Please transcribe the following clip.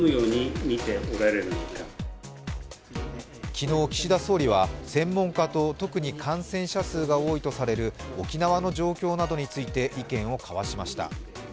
昨日、岸田総理は専門家と特に感染者数が多いとされる沖縄の状況などについて意見を交わしました。